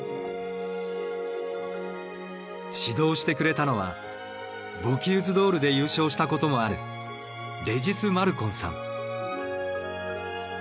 指導してくれたのはボキューズ・ドールで優勝したこともあるレジス・マルコンさん。